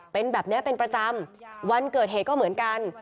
เป็นแบบนี้เป็นประจำวันเกิดเหตุก็เหมือนกัน